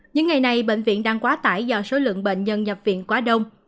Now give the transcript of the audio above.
những ngày này bệnh viện đang quá tải do số lượng bệnh nhân nhập viện quá đông